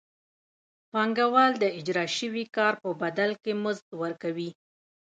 پانګوال د اجراء شوي کار په بدل کې مزد ورکوي